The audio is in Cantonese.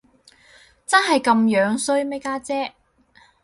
真係咁衰咩，家姐？